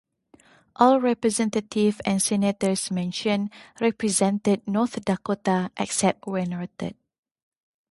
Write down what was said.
All representatives and senators mentioned represented North Dakota except where noted.